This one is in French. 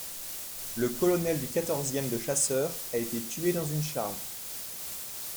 Le colonel du quatorzième de chasseurs a été tué dans une charge.